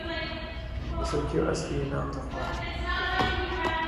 لەسەر کێو ئەسپی ھێناوەتە خوارەوە